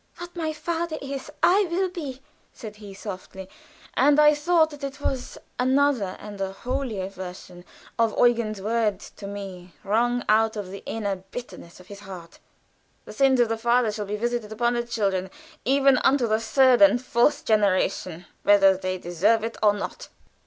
"What my father is I will be," said he, softly; and I thought that it was another and a holier version of Eugen's words to me, wrung out of the inner bitterness of his heart. "The sins of the fathers shall be visited upon the children, even unto the third and fourth generation, whether they deserve it or not."